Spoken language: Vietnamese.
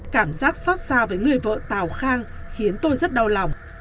cảm giác xót xa với người vợ tàu khang khiến tôi rất đau lòng